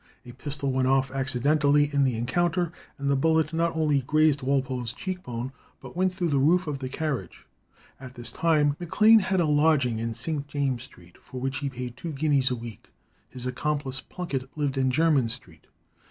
A pistol went off accidentally in this encounter, and the bullet not only grazed Walpole's cheek bone, but went through the roof of the carriage. At this time Maclane had a lodging in St. James's Street, for which he paid two guineas a week; his accomplice Plunkett lived in Jermyn Street.